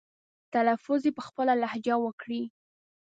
تلفظ دې په خپله لهجه وکړي.